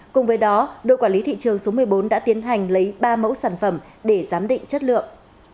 cùng với đó đội quản lý thị trường số một mươi bốn đã tiến hành lấy ba mẫu sản phẩm để giám định chất lượng